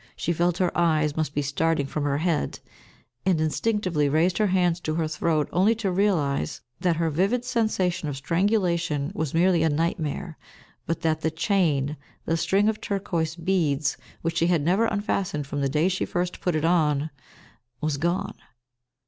She felt her eyes must be starting from her head, and instinctively raised her hands to her throat, only to realise that her vivid sensation of strangulation was merely a nightmare, but that the chain the string of turquoise beads which she had never unfastened from the day she first put it on was gone.